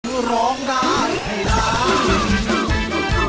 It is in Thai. เพื่อร้องได้ให้ร้อง